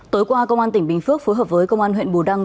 tối qua công an tỉnh bình phước phối hợp với công an huyện bù đăng